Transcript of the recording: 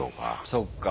そっか。